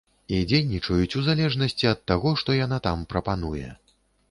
І дзейнічаюць у залежнасці ад таго, што яна там прапануе.